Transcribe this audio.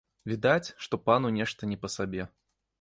Відаць, што пану нешта не па сабе.